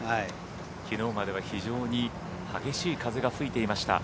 きのうまでは非常に激しい風が吹いていました。